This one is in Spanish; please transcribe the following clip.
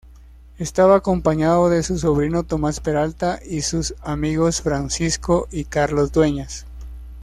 Estaba acompañado de su sobrino Tomás Peralta y sus amigos Francisco y Carlos Dueñas.